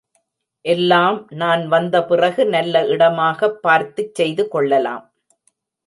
எல்லாம் நான் வந்த பிறகு நல்ல இடமாகப் பார்த்துச் செய்துகொள்ளலாம்.